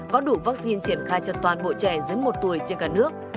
có đủ vaccine triển khai cho toàn bộ trẻ dưới một tuổi trên cả nước